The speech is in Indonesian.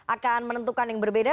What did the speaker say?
akan menentukan yang berbeda